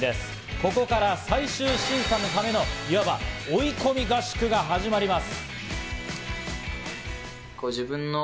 ここから最終審査のためのいわば追い込み合宿が始まります。